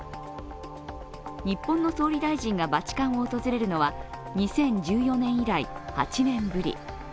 日本の総理大臣がバチカンを訪れるのは２０１４年以来、８年ぶり。